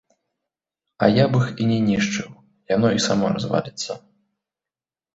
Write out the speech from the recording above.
А я б іх і не нішчыў, яно і само разваліцца.